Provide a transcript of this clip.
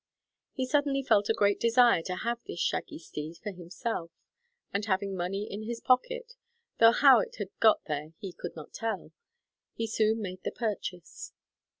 He suddenly felt a great desire to have this shaggy steed for himself, and having money in his pocket though how it had got there he could not tell he soon made the purchase.